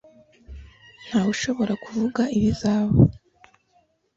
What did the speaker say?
Ntawushobora kuvuga ibizaba.